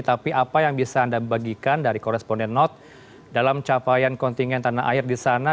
tapi apa yang bisa anda bagikan dari koresponden not dalam capaian kontingen tanah air di sana